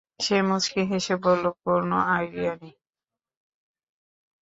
সে মুচকি হেসে বলল কোন আইডিয়া নেই।